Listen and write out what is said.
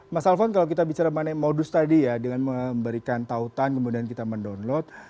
mas alfon kalau kita bicara mengenai modus tadi ya dengan memberikan tautan kemudian kita mendownload